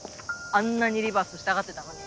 あんなにリバースしたがってたのに？